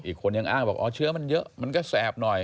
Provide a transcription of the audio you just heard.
อีกคนยังอ้างบอกอ๋อเชื้อมันเยอะมันก็แสบหน่อย